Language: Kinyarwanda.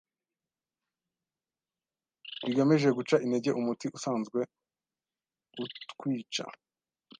bigamije guca intege umuti usanzwe utwica.